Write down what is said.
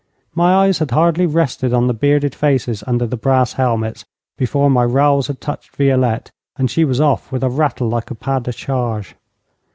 My eyes had hardly rested on the bearded faces under the brass helmets before my rowels had touched Violette, and she was off with a rattle like a pas de charge.